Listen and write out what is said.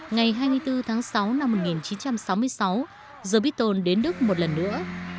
ngày hai mươi bốn tháng sáu năm một nghìn chín trăm sáu mươi sáu jobitton đến đức một lần nữa